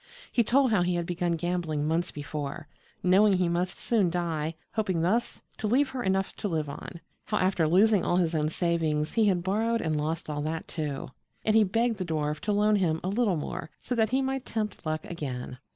He told how he had begun gambling months before, knowing he must soon die, hoping thus to leave her enough to live on; how, after losing all his own savings, he had borrowed and lost all that, too. And he begged the dwarf to loan him a little more so that he might tempt luck again.